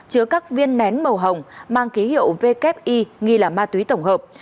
chứa các viên nén màu hồng mang ký hiệu wi nghi là ma túy tổng hợp